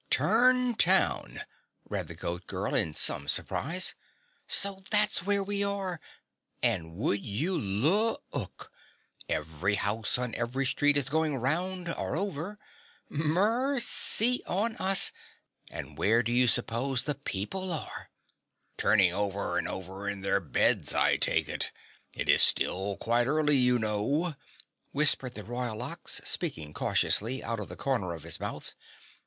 "TURN TOWN!" read the Goat Girl in some surprise. "So that's where we are! And would you loo ook, every house on every street is going round or over. Mercy ercy on us and where do you suppose the people are?" "Turning over and over in their beds I take it, it is still quite early, you know," whispered the Royal Ox, speaking cautiously out of the corner of his mouth.